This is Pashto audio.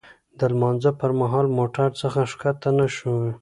د لمانځه پر مهال موټر څخه ښکته نه شوو.